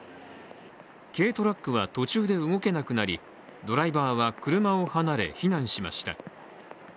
軽トラックは、途中で動けなくなりドライバーは車を離れ、避難しました。